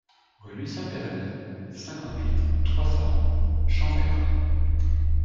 Rue Lucien Perreimond, cinquante-huit, trois cents Champvert